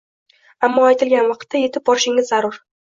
Ammo aytilgan vaqtda etib borishingiz zarur